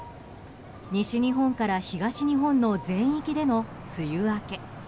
西日本から東日本の全域での梅雨明け。